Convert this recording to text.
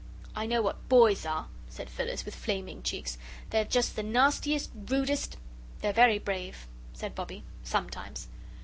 "I know what BOYS are," said Phyllis, with flaming cheeks; "they're just the nastiest, rudest " "They're very brave," said Bobbie, "sometimes."